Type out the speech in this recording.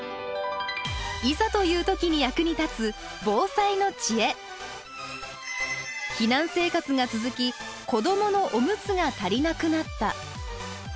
いざという時に役に立つ避難生活が続き子どものおむつが足りなくなった。